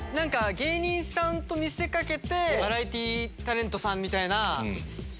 芸人さんと見せ掛けてバラエティータレントさんみたいな。